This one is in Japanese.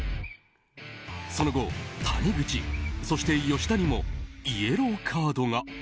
その後、谷口そして吉田にもイエローカードが。